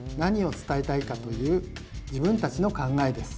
伝えたいかという自分たちの考えです。